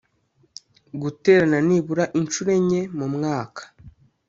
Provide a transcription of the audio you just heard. guterana nibura inshuro enye mu mwaka